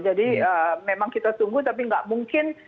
jadi memang kita tunggu tapi gak mungkin